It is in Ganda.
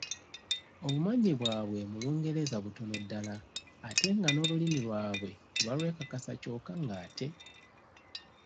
Obumanyi bwabwe mu Lungereza butono ddala ate nga n’Olulimi lwabwe tebalwekakasa kyokka ng’ate